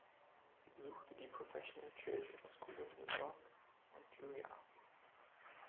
Sie besuchte die Professional Children's School of New York und Juilliard.